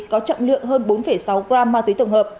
có trọng lượng hơn bốn sáu gram ma túy tổng hợp